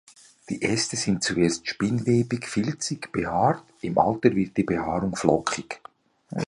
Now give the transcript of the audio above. Die Äste sind zuerst spinnwebig-filzig behaart, im Alter wird die Behaarung flockig.